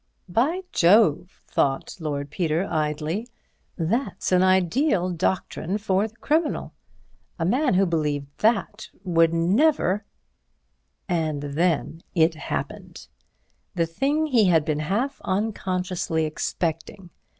"By Jove!" thought Lord Peter, idly, "that's an ideal doctrine for the criminal. A man who believed that would never—" And then it happened—the thing he had been half unconsciously expecting.